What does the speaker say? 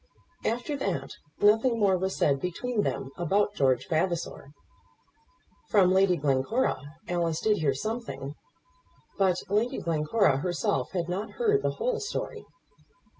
After that, nothing more was said between them about George Vavasor. From Lady Glencora Alice did hear something; but Lady Glencora herself had not heard the whole story.